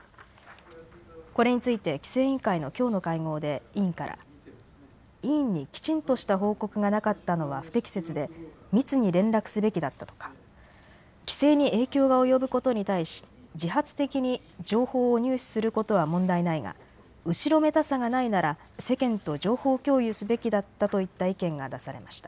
これについて規制委員会のきょうの会合で委員から委員にきちんとした報告がなかったのは不適切で密に連絡すべきだったとか規制に影響が及ぶことに対し自発的に情報を入手することは問題ないが後ろめたさがないなら世間と情報共有すべきだったといった意見が出されました。